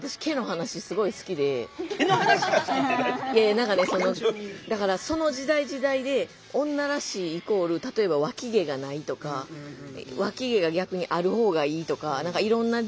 何かねだからその時代時代で女らしいイコール例えばわき毛がないとかわき毛が逆にある方がいいとかいろんな流派が出てくるじゃないですか。